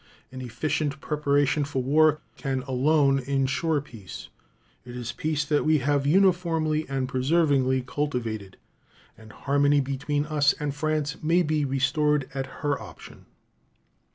An efficient preparation for war can alone insure peace. It is peace that we have uniformly and perseveringly cultivated, and harmony between us and France may be restored at her option.